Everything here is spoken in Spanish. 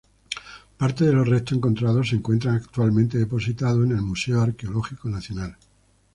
Parte de los restos encontrados se encuentran actualmente depositados en el Museo Arqueológico Nacional.